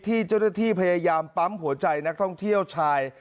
ที่เจ้าหน้าที่พยายามปั๊มหัวใจนักท่องเที่ยวชาย